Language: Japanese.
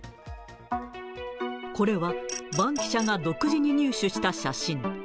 これは、バンキシャが独自に入手した写真。